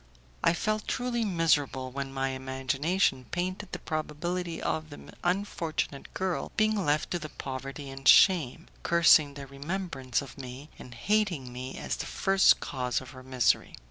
I felt truly miserable when my imagination painted the probability of the unfortunate girl being left to poverty and shame, cursing the remembrance of me, and hating me as the first cause of her misery.